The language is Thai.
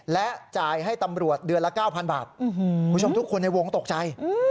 และจ่ายให้ตำรวจเดือนละ๙๐๐บาทคุณผู้ชมทุกคนในวงตกใจ